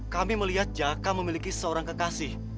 kami melihat jaka memiliki seorang kekasih